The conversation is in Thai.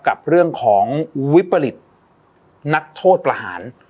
กับเรื่องของวิปริตนักโทษประหาร